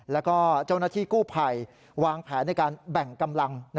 แล้วก็เจ้าหน้าที่กู้ภัยวางแผนในการแบ่งกำลัง